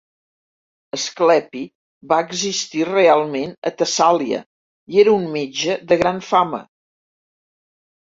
Asclepi va existir realment a Tessàlia, i era un metge de gran fama.